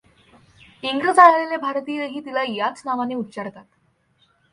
इंग्रजाळलेले भारतीयही तिला याच नावाने उच्चारतात.